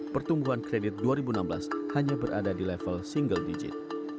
pertumbuhan kredit dua ribu enam belas hanya berada di level single digit